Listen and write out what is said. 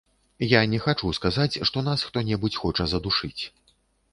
Я не хачу сказаць, што нас хто-небудзь хоча задушыць.